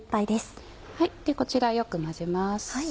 こちらよく混ぜます。